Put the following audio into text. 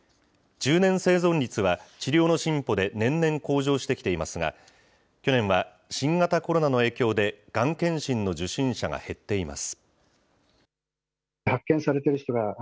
１０年生存率は治療の進歩で年々向上してきていますが、去年は新型コロナの影響でがん検診の受診者が減っています。